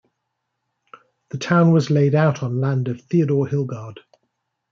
The town was laid out on land of Theodore Hilgard.